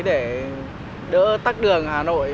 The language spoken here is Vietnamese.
để đỡ tắt đường hà nội